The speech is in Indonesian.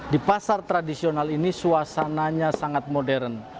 di pasar tradisional ini suasananya sangat modern